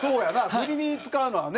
フリに使うのはね。